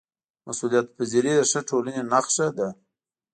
مسؤلیتپذیري د ښه ټولنې نښه ده